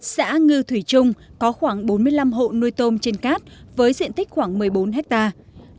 xã ngư thủy trung có khoảng bốn mươi năm hộ nuôi tôm trên cát với diện tích khoảng một mươi bốn hectare